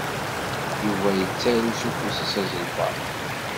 Yuba yettaru s ufus-is azelmaḍ.